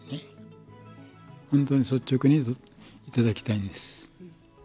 本当に率直に頂きたいです。